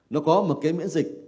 nó có một cái miễn dịch